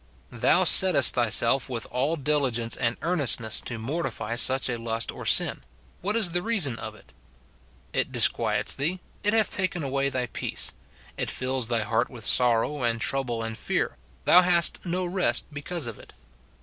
Thou settest thyself with all diligence and earn estness to mortify such a lust or sin ; what is the reason of it ? It disquiets thee, it hath taken away thy peace, it fills thy heart with sorrow, and trouble, and fear ; thou hast no rest because of it.